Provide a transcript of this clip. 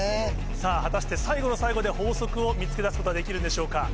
さぁ果たして最後の最後で法則を見つけ出すことはできるんでしょうか？